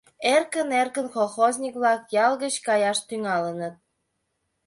Эркын-эркын колхозник-влак ял гыч каяш тӱҥалыныт.